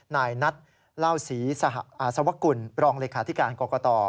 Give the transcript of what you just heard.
นายนัทลาวศรีสวกุลรองเลขาธิการกต